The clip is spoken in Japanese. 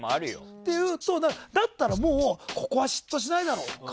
っていうと、だったらもうここは嫉妬しないだろうとか